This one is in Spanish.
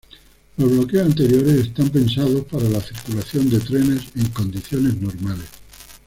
Los bloqueos anteriores, están pensados para la circulación de trenes en condiciones normales.